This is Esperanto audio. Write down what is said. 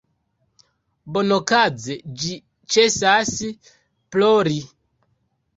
Bonokaze ĝi ĉesas plori.